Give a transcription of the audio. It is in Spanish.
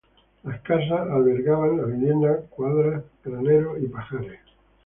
Las casas albergaban la vivienda, cuadras, graneros y pajares.